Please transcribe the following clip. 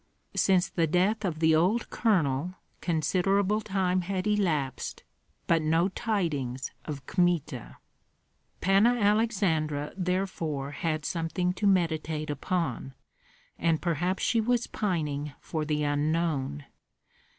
Since the death of the old colonel considerable time had elapsed, but no tidings of Kmita. Panna Aleksandra therefore had something to meditate upon, and perhaps she was pining for the unknown.